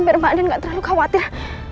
biar mbak din gak terlalu khawatir